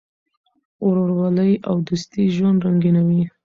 ورورولي او دوستي ژوند رنګینوي.